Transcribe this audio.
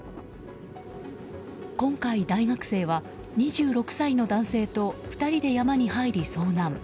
今回、大学生は２６歳の男性と２人で山に入り遭難。